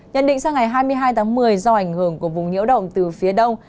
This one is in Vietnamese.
nhận định sang ngày hai mươi hai tháng một mươi do ảnh hưởng của vùng nhiễu động từ phía đông